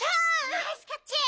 ナイスキャッチ！